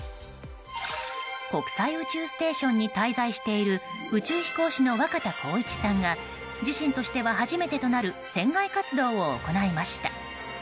国際宇宙ステーションに滞在している宇宙飛行士の若田光一さんが自身としては初めてとなる船外活動を行いました。